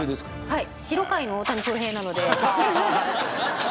はい。